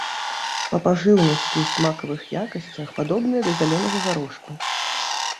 Па пажыўнасці і смакавых якасцях падобныя да зялёнага гарошку.